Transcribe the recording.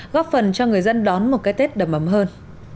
góp phần cho người dân đón một cái tết đầm ấm hơn